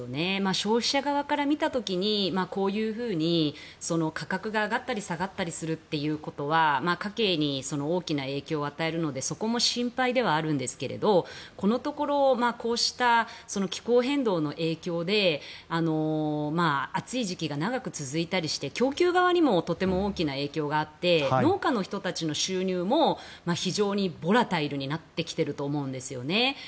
消費者側から見た時にこういうふうに価格が上がったり下がったりするということは家計に大きな影響を与えるのでそこも心配ではあるんですけれどこのところこうした気候変動の影響で暑い時期が長く続いたりして供給側にもとても大きな影響があって農家の人たちの収入も非常にボラタイルになってきていると思うんですよね。